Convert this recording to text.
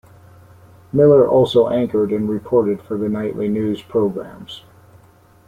Miller also anchored and reported for the nightly news programs.